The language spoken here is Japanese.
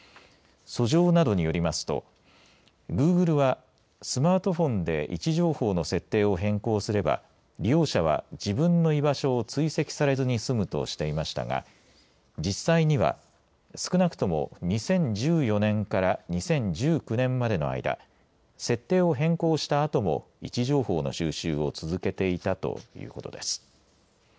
訴状などによりますとグーグルはスマートフォンで位置情報の設定を変更すれば利用者は自分の居場所を追跡されずにすむとしていましたが実際には少なくとも２０１４年から２０１９年までの間設定を変更したあとも位置情報の収集を続けていたということです。